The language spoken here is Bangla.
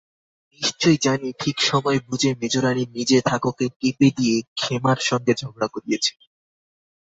নিশ্চয় জানি ঠিক সময় বুঝে মেজোরানী নিজে থাকোকে টিপে দিয়ে ক্ষেমার সঙ্গে ঝগড়া করিয়েছেন।